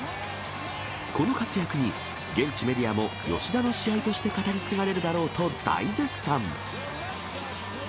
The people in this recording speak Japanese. この活躍に、現地メディアも、吉田の試合として語り継がれるだろうと大絶賛。